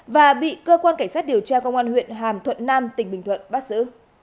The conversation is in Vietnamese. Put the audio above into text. và bị cơ quan cảnh sát điều tra công an huyện hàm thuận nam tỉnh bình thuận bắt giữ